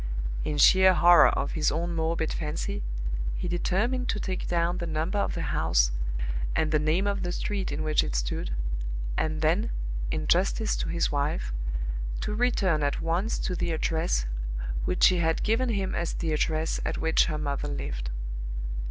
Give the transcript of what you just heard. In sheer horror of his own morbid fancy, he determined to take down the number of the house, and the name of the street in which it stood; and then, in justice to his wife, to return at once to the address which she had given him as the address at which her mother lived.